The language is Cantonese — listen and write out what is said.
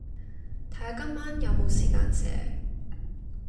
睇下今晚有冇時間寫